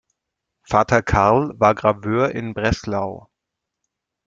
Vater Carl war Graveur in Breslau.